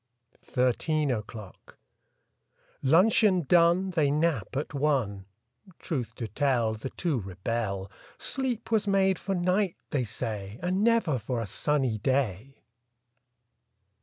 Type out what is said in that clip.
THIRTEEN O'CLOCK L uncheon done, ^ They nap at one; Truth to tell, The two rebel. Sleep was made for night, they say. And never for a sunny day!